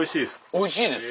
おいしいです！